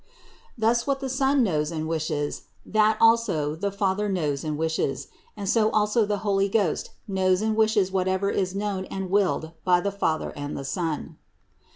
Thus what the Son knows and wishes, that also the Father knows and wishes; and so also the Holy Ghost knows and wishes whatever is known and willed by the Father and the Son.